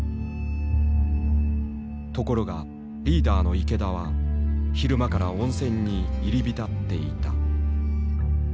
ところがリーダーの池田は昼間から温泉に入り浸っていた。